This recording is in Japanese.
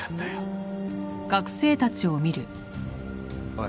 おい。